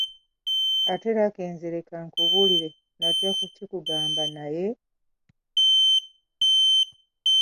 Ate Lucky nze leka nkubuulire natya kukikugamba naye…”.